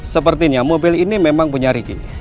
sepertinya mobil ini memang punya ricky